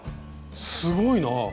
すごいなぁ。